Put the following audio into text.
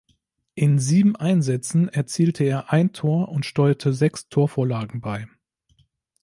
In sieben Einsätzen erzielte er ein Tor und steuerte sechs Torvorlagen bei.